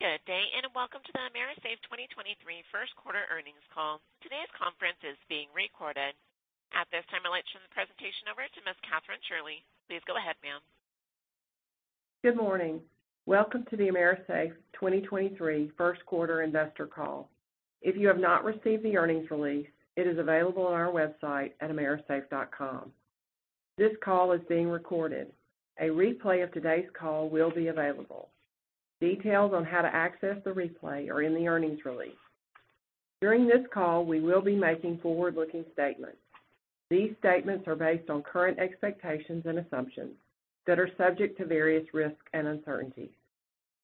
Good day, welcome to the AMERISAFE 2023 First Quarter Earnings Call. Today's conference is being recorded. At this time, I'd like to turn the presentation over to Ms. Kathryn Shirley. Please go ahead, ma'am. Good morning. Welcome to the AMERISAFE 2023 First Quarter Investor Call. If you have not received the earnings release, it is available on our website at amerisafe.com. This call is being recorded. A replay of today's call will be available. Details on how to access the replay are in the earnings release. During this call, we will be making forward-looking statements. These statements are based on current expectations and assumptions that are subject to various risks and uncertainties.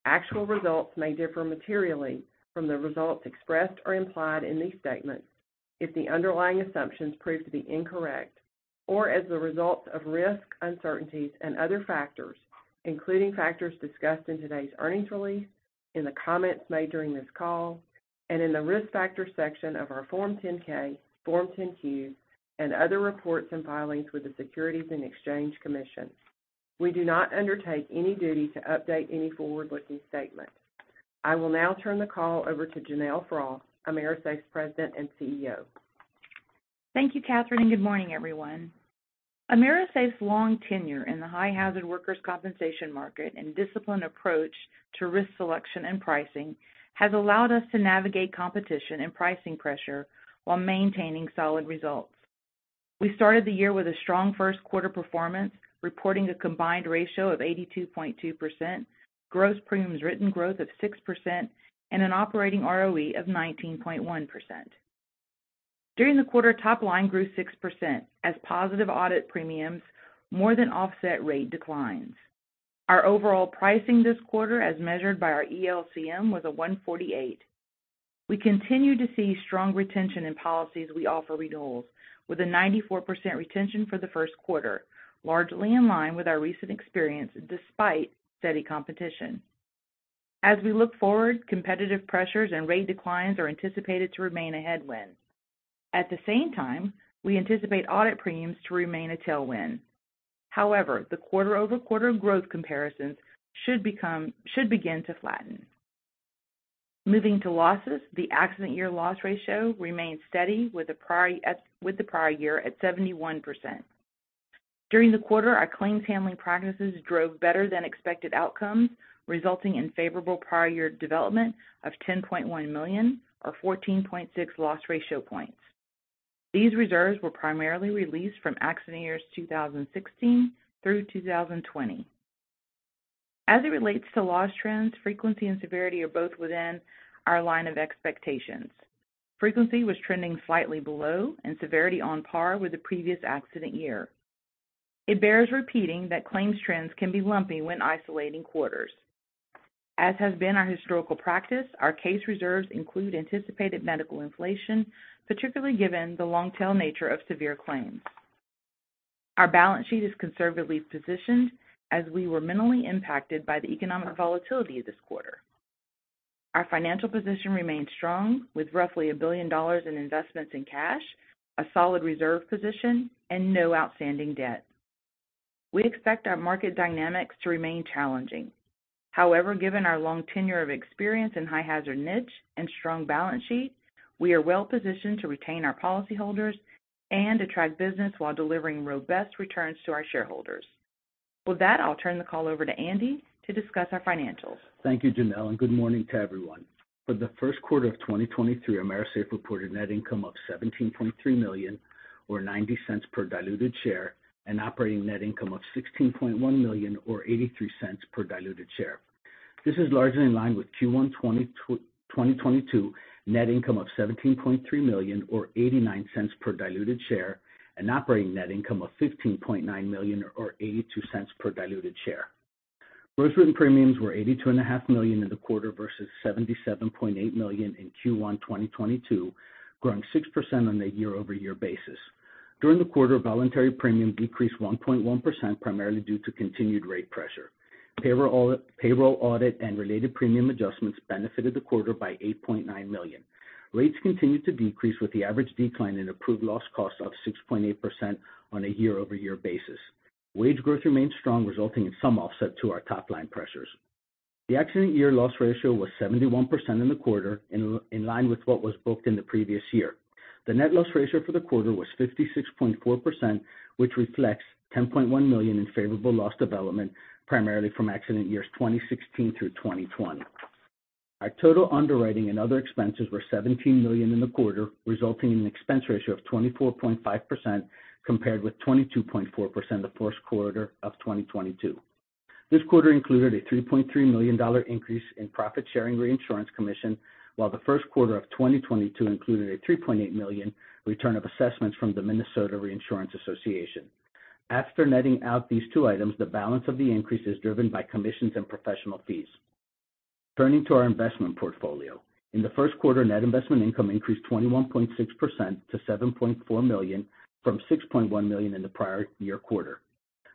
Actual results may differ materially from the results expressed or implied in these statements if the underlying assumptions prove to be incorrect or as a result of risks, uncertainties and other factors, including factors discussed in today's earnings release, in the comments made during this call, and in the Risk Factors section of our Form 10-K, Form 10-Q, and other reports and filings with the Securities and Exchange Commission. We do not undertake any duty to update any forward-looking statement. I will now turn the call over to Janelle Frost, AMERISAFE's President and CEO. Thank you, Kathryn, good morning, everyone. AMERISAFE's long tenure in the high hazard workers' compensation market and disciplined approach to risk selection and pricing has allowed us to navigate competition and pricing pressure while maintaining solid results. We started the year with a strong first quarter performance, reporting a combined ratio of 82.2%, gross premiums written growth of 6%, and an operating ROE of 19.1%. During the quarter, top line grew 6% as positive audit premiums more than offset rate declines. Our overall pricing this quarter, as measured by our ELCM, was a 148. We continue to see strong retention in policies we offer renewals, with a 94% retention for the first quarter, largely in line with our recent experience despite steady competition. As we look forward, competitive pressures and rate declines are anticipated to remain a headwind. At the same time, we anticipate audit premiums to remain a tailwind. However, the quarter-over-quarter growth comparisons should begin to flatten. Moving to losses, the accident year loss ratio remains steady with the prior year at 71%. During the quarter, our claims handling practices drove better than expected outcomes, resulting in favorable prior year development of $10.1 million or 14.6 loss ratio points. These reserves were primarily released from accident years 2016 through 2020. As it relates to loss trends, frequency and severity are both within our line of expectations. Frequency was trending slightly below and severity on par with the previous accident year. It bears repeating that claims trends can be lumpy when isolating quarters. As has been our historical practice, our case reserves include anticipated medical inflation, particularly given the long tail nature of severe claims. Our balance sheet is conservatively positioned as we were minimally impacted by the economic volatility this quarter. Our financial position remains strong with roughly $1 billion in investments in cash, a solid reserve position and no outstanding debt. We expect our market dynamics to remain challenging. Given our long tenure of experience in high hazard niche and strong balance sheet, we are well positioned to retain our policyholders and attract business while delivering robust returns to our shareholders. I'll turn the call over to Andy to discuss our financials. Thank you, Janelle. Good morning to everyone. For the first quarter of 2023, AMERISAFE reported net income of $17.3 million or $0.90 per diluted share, and operating net income of $16.1 million or $0.83 per diluted share. This is largely in line with Q1 2022 net income of $17.3 million or $0.89 per diluted share, and operating net income of $15.9 million or $0.82 per diluted share. Gross written premiums were $82.5 million in the quarter versus $77.8 million in Q1 2022, growing 6% on a year-over-year basis. During the quarter, voluntary premium decreased 1.1%, primarily due to continued rate pressure. Payroll audit and related premium adjustments benefited the quarter by $8.9 million. Rates continued to decrease with the average decline in approved loss costs of 6.8% on a year-over-year basis. Wage growth remained strong, resulting in some offset to our top line pressures. The accident year loss ratio was 71% in the quarter, in line with what was booked in the previous year. The net loss ratio for the quarter was 56.4%, which reflects $10.1 million in favorable loss development, primarily from accident years 2016 through 2020. Our total underwriting and other expenses were $17 million in the quarter, resulting in an expense ratio of 24.5% compared with 22.4% the first quarter of 2022. This quarter included a $3.3 million increase in profit sharing reinsurance commission, while the first quarter of 2022 included a $3.8 million return of assessments from the Minnesota Reinsurance Association. After netting out these two items, the balance of the increase is driven by commissions and professional fees. Turning to our investment portfolio. In the first quarter, net investment income increased 21.6% to $7.4 million from $6.1 million in the prior year quarter.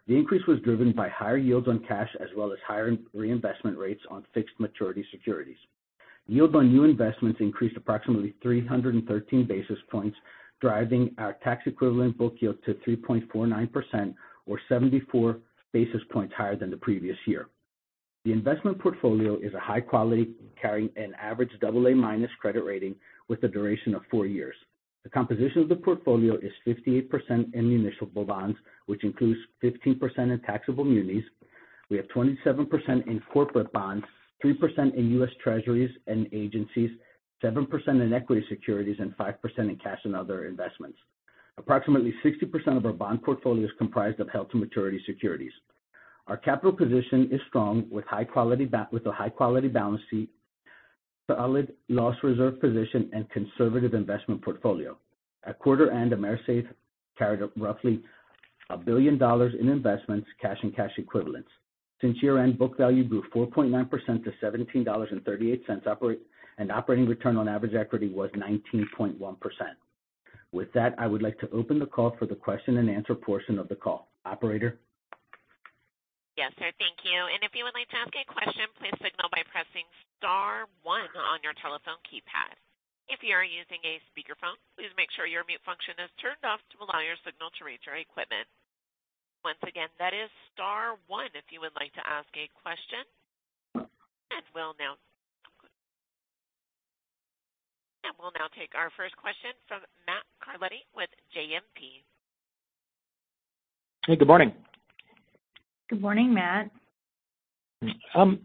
The increase was driven by higher yields on cash as well as higher reinvestment rates on fixed maturity securities. Yield on new investments increased approximately 313 basis points, driving our tax-equivalent book yield to 3.49% or 74 basis points higher than the previous year. The investment portfolio is a high quality, carrying an average AA- credit rating with a duration of four years. The composition of the portfolio is 58% in municipal bonds, which includes 15% in taxable munis. We have 27% in corporate bonds, 3% in U.S. Treasuries and agencies, 7% in equity securities, and 5% in cash and other investments. Approximately 60% of our bond portfolio is comprised of held-to-maturity securities. Our capital position is strong, with a high quality balance sheet, solid loss reserve position, and conservative investment portfolio. At quarter end, AMERISAFE carried roughly $1 billion in investments, cash, and cash equivalents. Since year-end, book value grew 4.9% to $17.38, operate, and operating return on average equity was 19.1%. With that, I would like to open the call for the question-and-answer portion of the call. Operator? Yes, sir. Thank you. If you would like to ask a question, please signal by pressing star one on your telephone keypad. If you are using a speakerphone, please make sure your mute function is turned off to allow your signal to reach our equipment. Once again, that is star one if you would like to ask a question. We'll now take our first question from Matt Carletti with JMP. Hey, good morning. Good morning, Matt. Janelle,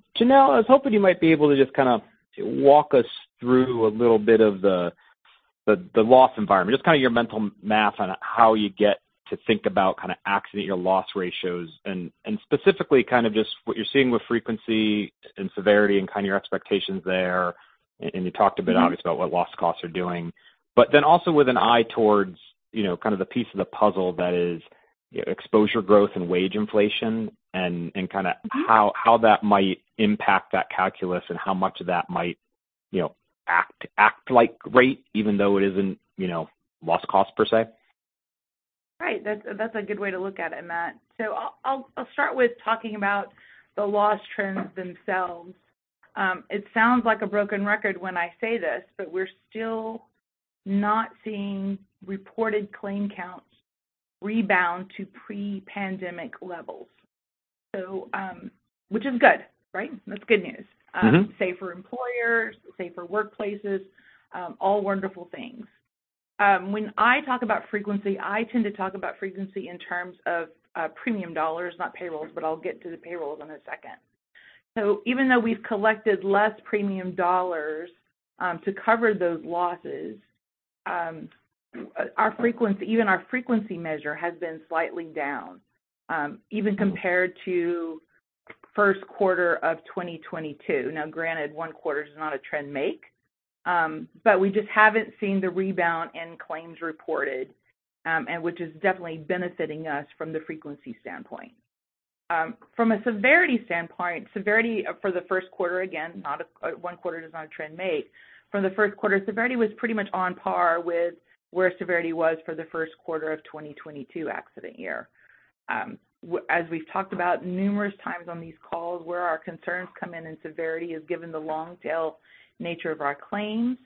I was hoping you might be able to just kind of walk us through a little bit of the, the loss environment, just kind of your mental math on how you get to think about kind of accident year loss ratios and specifically kind of just what you're seeing with frequency and severity and kind of your expectations there. You talked a bit obviously about what loss costs are doing, but then also with an eye towards, you know, kind of the piece of the puzzle that is, you know, exposure growth and wage inflation and kind of how that might impact that calculus and how much of that might, you know, act like rate even though it isn't, you know, loss cost per se. Right. That's a good way to look at it, Matt. I'll start with talking about the loss trends themselves. It sounds like a broken record when I say this, but we're still not seeing reported claim counts rebound to pre-pandemic levels. Which is good, right? That's good news. Mm-hmm. Safer employers, safer workplaces, all wonderful things. When I talk about frequency, I tend to talk about frequency in terms of premium dollars, not payrolls, but I'll get to the payrolls in a second. Even though we've collected less premium dollars, to cover those losses, our frequency, even our frequency measure has been slightly down, even compared to first quarter of 2022. Granted, one quarter does not a trend make, but we just haven't seen the rebound in claims reported, and which is definitely benefiting us from the frequency standpoint. From a severity standpoint, severity for the first quarter, again, one quarter does not a trend make. For the first quarter, severity was pretty much on par with where severity was for the first quarter of 2022 accident year. As we've talked about numerous times on these calls, where our concerns come in in severity is given the long tail nature of our claims,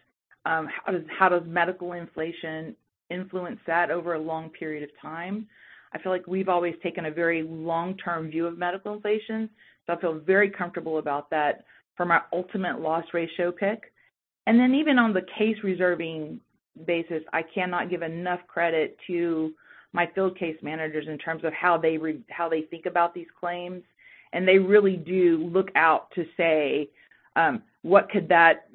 how does medical inflation influence that over a long period of time? I feel like we've always taken a very long-term view of medical inflation, so I feel very comfortable about that for my ultimate loss ratio pick. Even on the case reserving basis, I cannot give enough credit to my field case managers in terms of how they think about these claims. They really do look out to say, what could that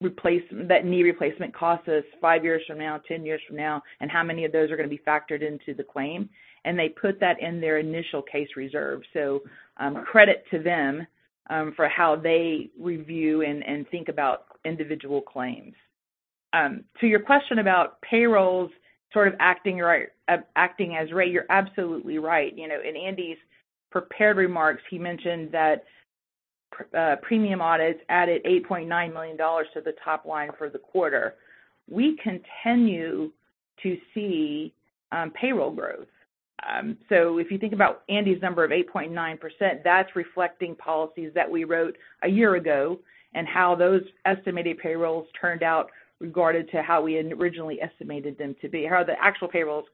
knee replacement cost us five years from now, 10 years from now, and how many of those are going to be factored into the claim? They put that in their initial case reserve. Credit to them for how they review and think about individual claims. To your question about payrolls sort of acting as rate, you're absolutely right. You know, in Andy's prepared remarks, he mentioned that premium audits added $8.9 million to the top line for the quarter. We continue to see payroll growth. If you think about Andy's number of 8.9%, that's reflecting policies that we wrote a year ago and how those estimated payrolls turned out regarded to how we originally estimated them to be, how the actual payrolls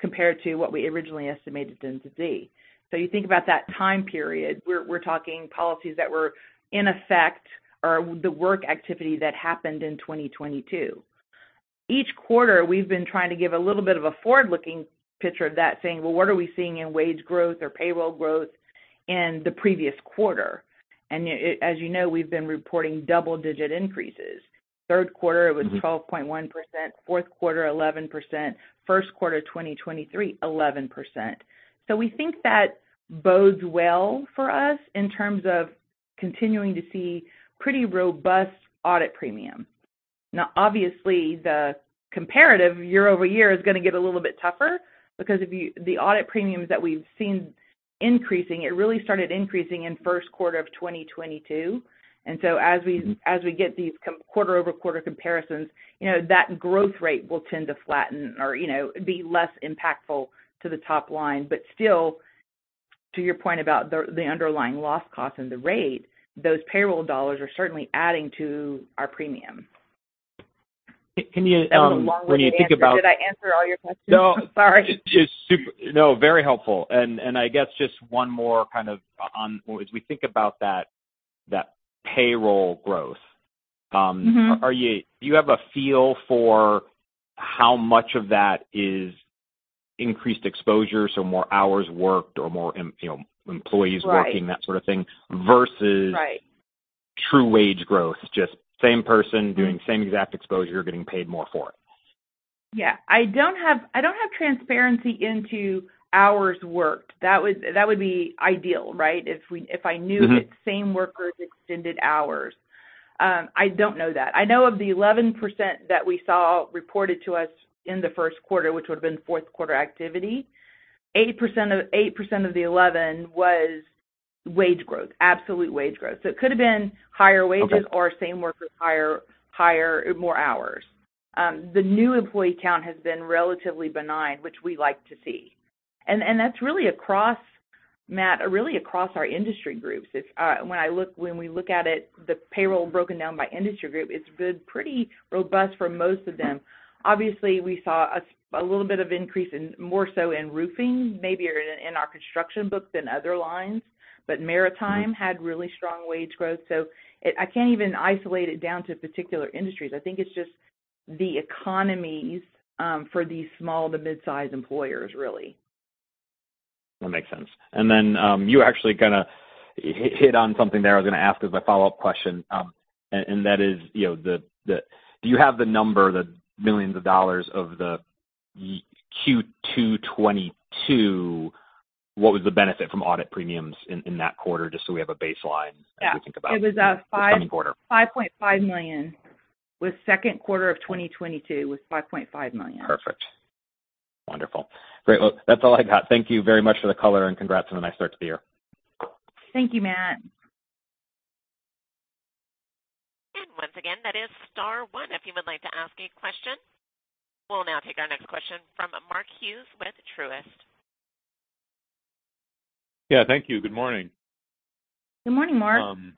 compared to what we originally estimated them to be. You think about that time period, we're talking policies that were in effect or the work activity that happened in 2022. Each quarter, we've been trying to give a little bit of a forward-looking picture of that, saying, "Well, what are we seeing in wage growth or payroll growth in the previous quarter?" As you know, we've been reporting double-digit increases. Third quarter it was 12.1%. Fourth quarter, 11%. First quarter 2023, 11%. We think that bodes well for us in terms of continuing to see pretty robust audit premium. Now, obviously, the comparative year-over-year is going to get a little bit tougher because the audit premiums that we've seen increasing, it really started increasing in first quarter of 2022. As we get these quarter-over-quarter comparisons, you know, that growth rate will tend to flatten or, you know, be less impactful to the top line. Still, to your point about the underlying loss cost and the rate, those payroll dollars are certainly adding to our premium. That was a long-winded answer. Did I answer all your questions? I'm sorry. No, very helpful. I guess just one more kind of on, as we think about that payroll growth, do you have a feel for how much of that is increased exposure, so more hours worked or more you know, employees working that sort of thing versus true wage growth, just same person doing same exact exposure, getting paid more for it? Yeah. I don't have transparency into hours worked. That would be ideal, right? If I knew it's same workers, extended hours. I don't know that. I know of the 11% that we saw reported to us in the first quarter, which would've been fourth quarter activity, 8% of the 11% was wage growth, absolute wage growth. It could have been higher wages or same workers, higher, more hours. The new employee count has been relatively benign, which we like to see. That's really across, Matt, really across our industry groups. It's, when we look at it, the payroll broken down by industry group, it's been pretty robust for most of them. Obviously, we saw a little bit of increase in, more so in roofing, maybe in our construction book than other lines, but maritime had really strong wage growth. I can't even isolate it down to particular industries. I think it's just the economies for these small to mid-size employers really. That makes sense. You actually kinda hit on something there I was gonna ask as my follow-up question, and that is, you know, you have the number, the millions of dollars of Q2 2022, what was the benefit from audit premiums in that quarter, just so we have a baseline as we think about this coming quarter? It was $5.5 million, second quarter of 2022 was $5.5 million. Perfect. Wonderful. Great. That's all I got. Thank you very much for the color, and congrats on a nice start to the year. Thank you, Matt. Once again, that is star one if you would like to ask a question. We'll now take our next question from Mark Hughes with Truist. Yeah, thank you. Good morning. Good morning, Mark. Good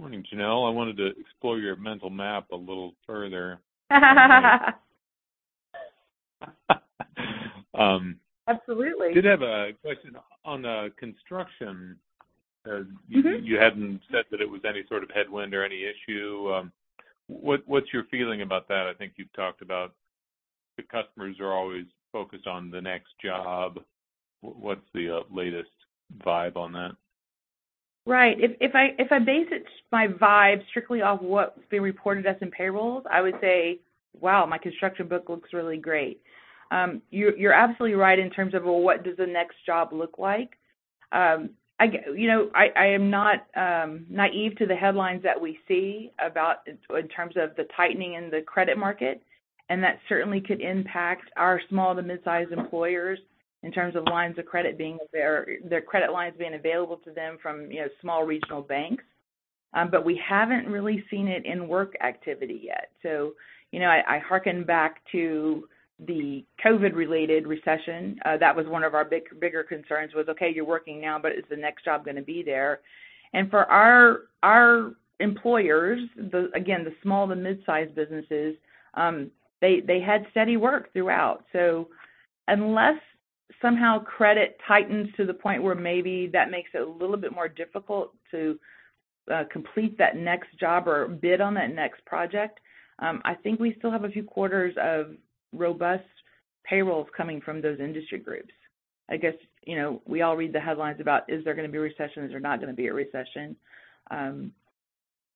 morning, Janelle. I wanted to explore your mental map a little further. Absolutely Did have a question on construction. You hadn't said that it was any sort of headwind or any issue. What's your feeling about that? I think you've talked about the customers are always focused on the next job. What's the latest vibe on that? Right. If I base it, my vibe strictly off what's being reported to us in payrolls, I would say, "Wow, my construction book looks really great." You're absolutely right in terms of, well, what does the next job look like? You know, I am not naive to the headlines that we see about in terms of the tightening in the credit market, and that certainly could impact our small to mid-size employers in terms of lines of credit or their credit lines being available to them from, you know, small regional banks. We haven't really seen it in work activity yet. You know, I harken back to the COVID-related recession. That was one of our bigger concerns was, okay, you're working now, but is the next job gonna be there? For our employers, the, again, the small to mid-size businesses, they had steady work throughout. Unless somehow credit tightens to the point where maybe that makes it a little bit more difficult to complete that next job or bid on that next project, I think we still have a few quarters of robust payrolls coming from those industry groups. I guess, you know, we all read the headlines about is there gonna be a recession, is there not gonna be a recession?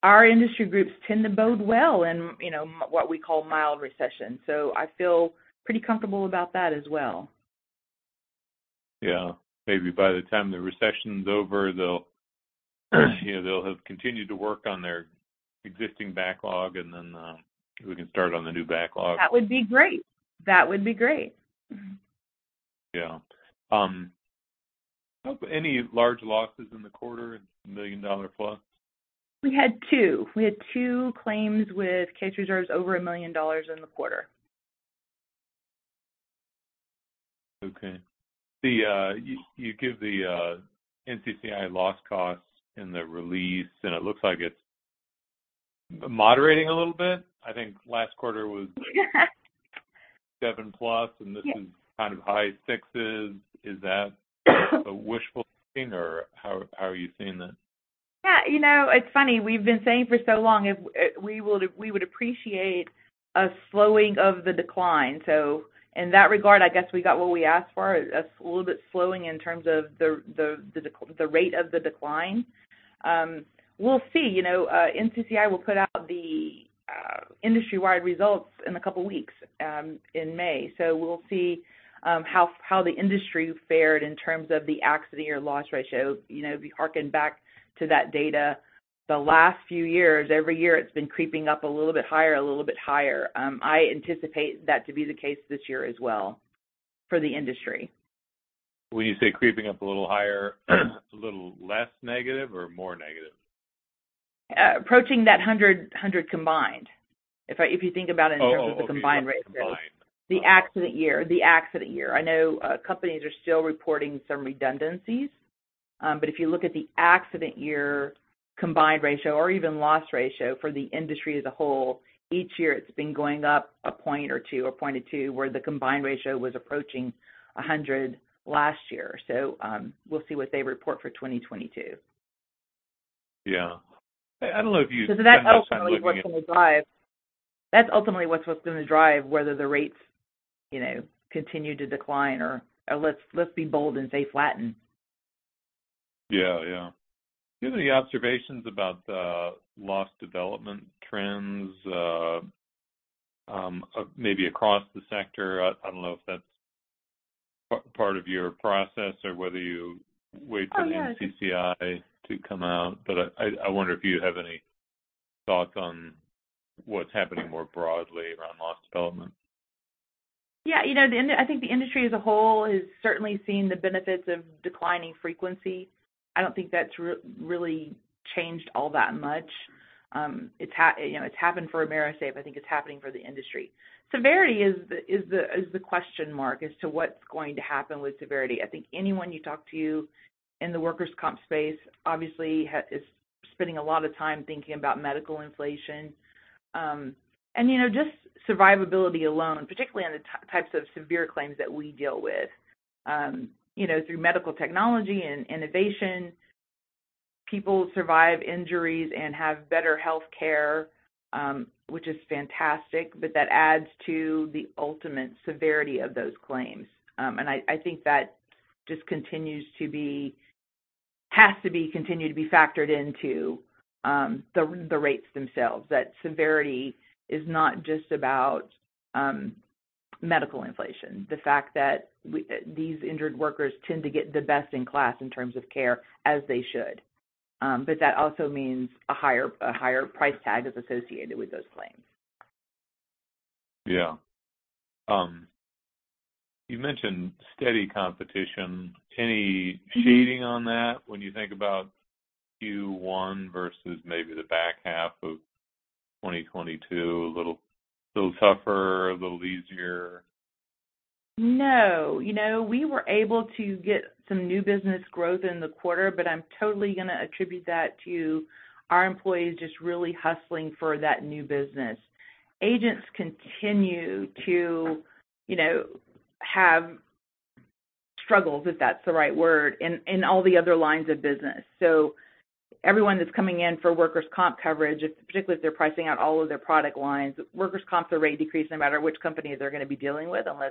Our industry groups tend to bode well in, you know, what we call mild recession. I feel pretty comfortable about that as well. Yeah. Maybe by the time the recession's over, they'll, you know, they'll have continued to work on their existing backlog and then we can start on the new backlog. That would be great. That would be great. Yeah. Any large losses in the quarter, $1 million plus? We had two claims with case reserves over $1 million in the quarter. Okay. The you give the NCCI loss costs in the release, and it looks like it's moderating a little bit. I think last quarter was-7+ Yeah kind of high sixes. Is that a wishful thinking or how are you seeing that? Yeah. You know, it's funny. We've been saying for so long if we would appreciate a slowing of the decline. In that regard, I guess we got what we asked for, a little bit slowing in terms of the rate of the decline. We'll see. You know, NCCI will put out the industry-wide results in a couple weeks in May. We'll see how the industry fared in terms of the accident year loss ratio. You know, if you harken back to that data, the last few years, every year it's been creeping up a little bit higher. I anticipate that to be the case this year as well for the industry. When you say creeping up a little higher, a little less negative or more negative? Approaching that 100 combined. If you think about it in term of the combined ratio. Oh the combined. The accident year. I know companies are still reporting some redundancies. If you look at the accident year combined ratio or even loss ratio for the industry as a whole, each year it's been going up a point or two, where the combined ratio was approaching 100 last year. We'll see what they report for 2022. Yeah. I don't know if you spend enough time looking. That's ultimately what's gonna drive. That's ultimately what's gonna drive whether the rates, you know, continue to decline or let's be bold and say flatten. Yeah. Yeah. Do you have any observations about the loss development trends, maybe across the sector? I don't know if that's part of your process or whether you wait for the NCCI to come out. I wonder if you have any thoughts on what's happening more broadly around loss development. Yeah. You know, I think the industry as a whole has certainly seen the benefits of declining frequency. I don't think that's really changed all that much. You know, it's happened for AMERISAFE, I think it's happening for the industry. Severity is the question mark as to what's going to happen with severity. I think anyone you talk to in the workers' comp space obviously is spending a lot of time thinking about medical inflation. You know, just survivability alone, particularly on the types of severe claims that we deal with, you know, through medical technology and innovation, people survive injuries and have better healthcare, which is fantastic, but that adds to the ultimate severity of those claims. I think that just continues to be, has to be continued to be factored into the rates themselves, that severity is not just about, medical inflation. The fact that these injured workers tend to get the best in class in terms of care, as they should. That also means a higher price tag is associated with those claims. Yeah. You mentioned steady competition. Any shading on that when you think about Q1 versus maybe the back half of 2022? A little tougher, a little easier? No. You know, we were able to get some new business growth in the quarter, but I'm totally gonna attribute that to our employees just really hustling for that new business. Agents continue to, you know, have struggles, if that's the right word, in all the other lines of business. Everyone that's coming in for workers' comp coverage, it's particularly if they're pricing out all of their product lines, workers' comp's a rate decrease no matter which company they're gonna be dealing with, unless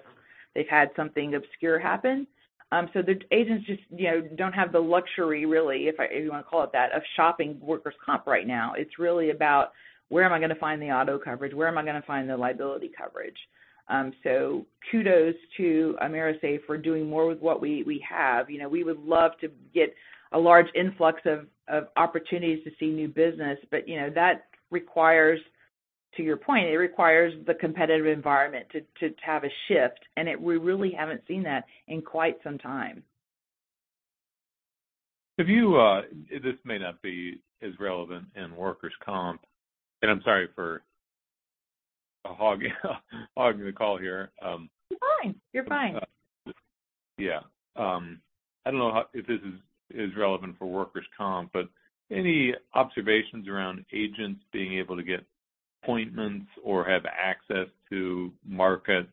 they've had something obscure happen. The agents just, you know, don't have the luxury really, if I, if you want to call it that, of shopping workers' comp right now. It's really about where am I gonna find the auto coverage? Where am I gonna find the liability coverage? Kudos to AMERISAFE for doing more with what we have. You know, we would love to get a large influx of opportunities to see new business. You know, that requires, to your point, it requires the competitive environment to have a shift. We really haven't seen that in quite some time. Have you, this may not be as relevant in workers' comp, and I'm sorry for hogging the call here. You're fine. You're fine. Yeah. I don't know how if this is relevant for workers' comp, but any observations around agents being able to get appointments or have access to markets,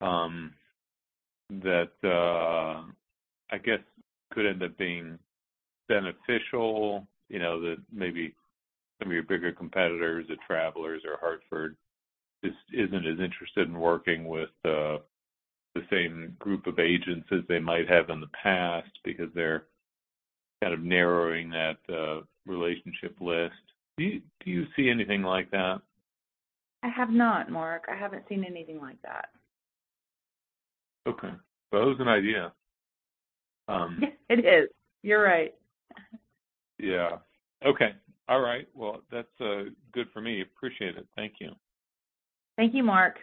that I guess could end up being beneficial? You know, that maybe some of your bigger competitors, the Travelers or Hartford, just isn't as interested in working with the same group of agents as they might have in the past because they're kind of narrowing that relationship list. Do you see anything like that? I have not, Mark. I haven't seen anything like that. Okay. It was an idea. It is. You're right. Yeah. Okay. All right. Well, that's good for me. Appreciate it. Thank you. Thank you, Mark.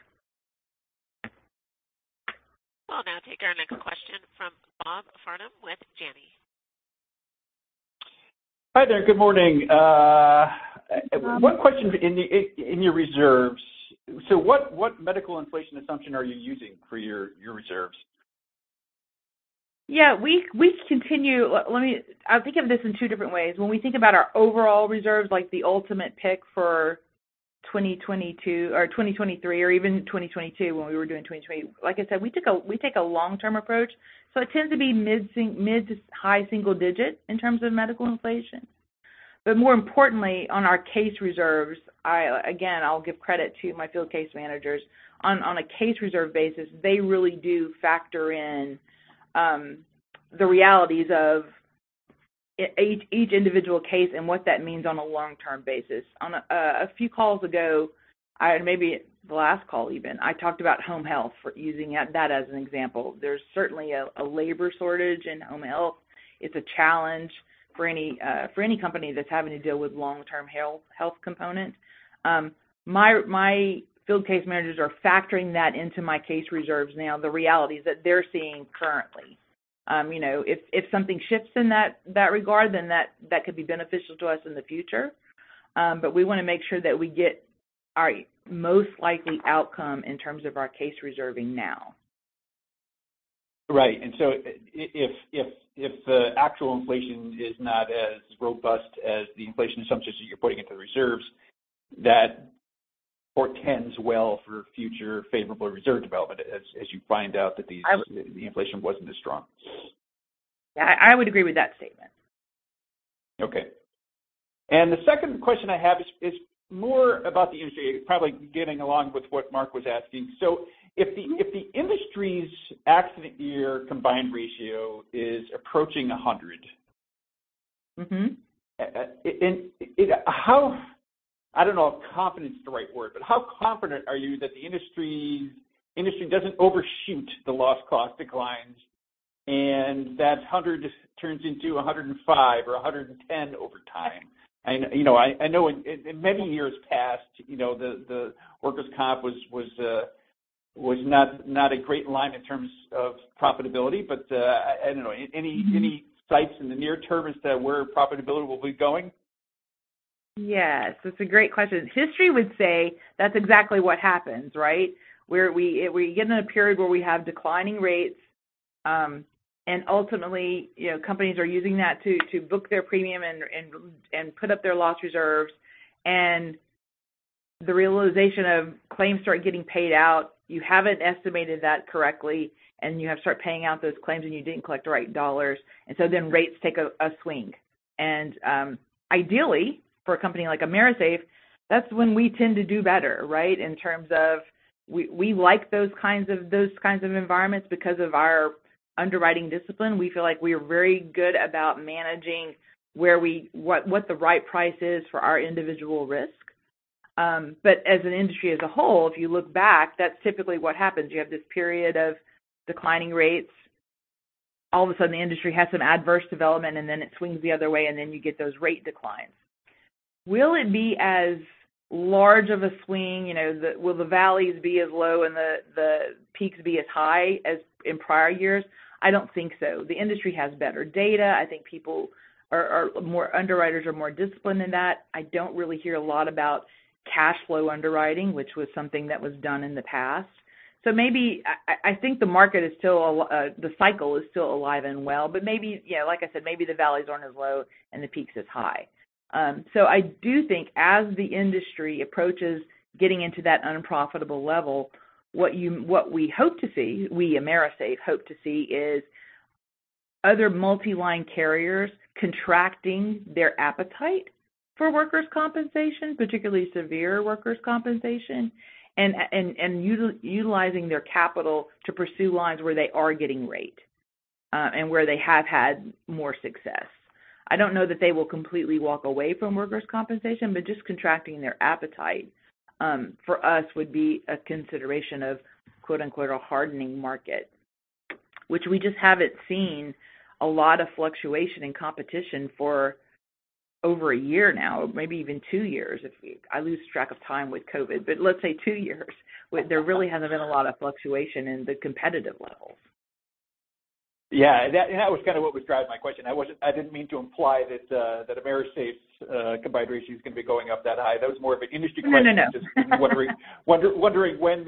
We'll now take our next question from Bob Farnam with Janney. Hi there. Good morning. Hi, Bob. One question in your reserves. What medical inflation assumption are you using for your reserves? We continue, let me, I think of this in two different ways. When we think about our overall reserves, like the ultimate pick for 2022 or 2023 or even 2022 when we were doing 2020. Like I said, we took a, we take a long-term approach, so it tends to be mid to high single digits in terms of medical inflation. More importantly, on our case reserves, I, again, I'll give credit to my field case managers. On a case reserve basis, they really do factor in the realities of each individual case and what that means on a long-term basis. On a few calls ago, I maybe the last call even, I talked about home health for using that as an example. There's certainly a labor shortage in home health. It's a challenge for any, for any company that's having to deal with long-term health component. My field case managers are factoring that into my case reserves now, the realities that they're seeing currently. You know, if something shifts in that regard, then that could be beneficial to us in the future. We wanna make sure that we get our most likely outcome in terms of our case reserving now. Right. If the actual inflation is not as robust as the inflation assumptions that you're putting into the reserves, that portends well for future favorable reserve development as you find out that these, the inflation wasn't as strong. Yeah, I would agree with that statement. The second question I have is more about the industry, probably getting along with what Mark was asking. If the industry's accident year combined ratio is approaching 100. Mm-hmm I don't know if confident is the right word, but how confident are you that the industry doesn't overshoot the loss cost declines, and that 100 turns into 105 or 110 over time? You know, I know in many years past, you know, the workers' comp was not a great line in terms of profitability. I don't know, any sights in the near term as to where profitability will be going? Yes. It's a great question. History would say that's exactly what happens, right? Where we get in a period where we have declining rates, and ultimately, you know, companies are using that to book their premium and put up their loss reserves. The realization of claims start getting paid out, you haven't estimated that correctly, and you start paying out those claims, and you didn't collect the right dollars. Rates take a swing. Ideally, for a company like AMERISAFE, that's when we tend to do better, right? In terms of we like those kinds of environments because of our underwriting discipline. We feel like we are very good about managing where what the right price is for our individual risk. As an industry as a whole, if you look back, that's typically what happens. You have this period of declining rates. All of a sudden, the industry has some adverse development, then it swings the other way, then you get those rate declines. Will it be as large of a swing, will the valleys be as low and the peaks be as high as in prior years? I don't think so. The industry has better data. I think people are more disciplined in that. I don't really hear a lot about cash flow underwriting, which was something that was done in the past. Maybe I think the market is still the cycle is still alive and well, but maybe, yeah, like I said, maybe the valleys aren't as low and the peaks as high. I do think as the industry approaches getting into that unprofitable level, what you, what we hope to see, we AMERISAFE hope to see is other multi-line carriers contracting their appetite for workers' compensation, particularly severe workers' compensation and utilizing their capital to pursue lines where they are getting rate, and where they have had more success. I don't know that they will completely walk away from workers' compensation, but just contracting their appetite, for us would be a consideration of quote-unquote, "a hardening market," which we just haven't seen a lot of fluctuation in competition for over a year now, maybe even two years if we, I lose track of time with COVID, but let's say 2 years, where there really hasn't been a lot of fluctuation in the competitive levels. Yeah. That was kind of what was driving my question. I didn't mean to imply that AMERISAFE's combined ratio is going to be going up that high. That was more of an industry question. No, no. Just wondering when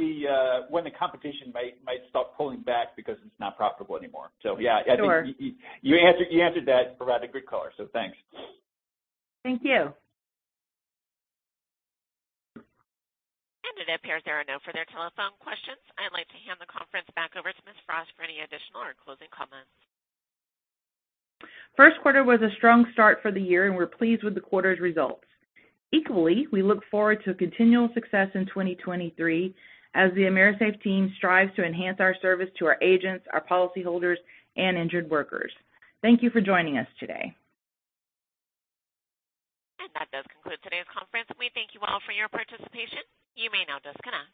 the competition might start pulling back because it's not profitable anymore? Yeah, I think you answered that around a good color. Thanks. Thank you. It appears there are no further telephone questions. I'd like to hand the conference back over to Ms. Frost for any additional or closing comments. First quarter was a strong start for the year. We're pleased with the quarter's results. Equally, we look forward to continual success in 2023 as the AMERISAFE team strives to enhance our service to our agents, our policyholders, and injured workers. Thank you for joining us today. That does conclude today's conference. We thank you all for your participation. You may now disconnect.